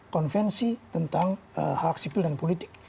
konvensi tentang hak sipil dan politik